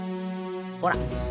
ほら。